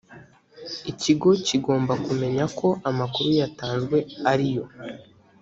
ikigo kigomba kumenya ko amakuru yatanzwe ariyo